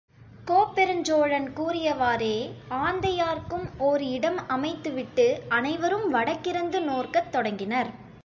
கோப்பெருஞ்சோழன் கூறியவாறே, ஆந்தையார்க்கும் ஒர் இடம் அமைத்து விட்டு, அனைவரும் வடக்கிருந்து நோற்கத் தொடங்கினர்.